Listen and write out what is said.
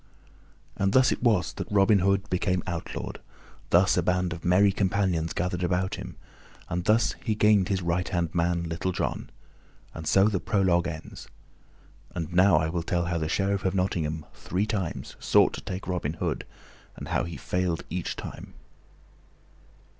And thus it was that Robin Hood became outlawed; thus a band of merry companions gathered about him, and thus he gained his right hand man, Little John; and so the prologue ends. And now I will tell how the Sheriff of Nottingham three times sought to take Robin Hood, and how he failed each time.